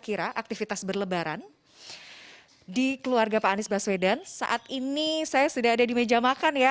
kira aktivitas berlebaran di keluarga pak anies baswedan saat ini saya sudah ada di meja makan ya